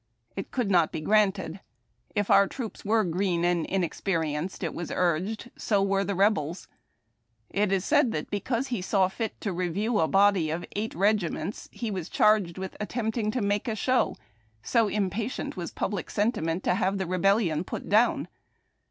It could not be granted. If onr troops were green and inexperi enced, it was urged, so were the Rebels. It is said that because he saw fit to review a body of eiglit regiments he was charged with attempting to make a show, so impatient was public sentiment to have rebellion put down.